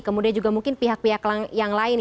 kemudian juga mungkin pihak pihak yang lain